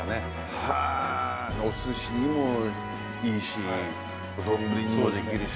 へえお寿司にもいいし丼にもできるし。